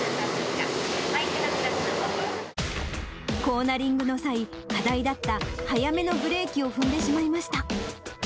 コーナリングの際、課題だった早めのブレーキを踏んでしまいました。